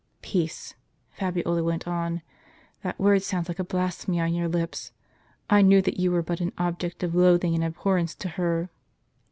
" Peace !" Fabiola went on ;" that word sounds like a blasphemy on your lips — I knew that you were but an object of loathing and abhorrence to her."